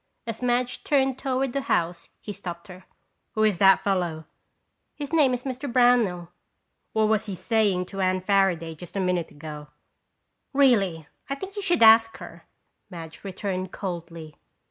As Madge turned toward the house he stopped her. "Who is that fellow?" "His name is Mr. Brownell." "What was he saying to Anne Fairaday just a minute ago?" "Really, I think you should ask her," Madge returned coldly.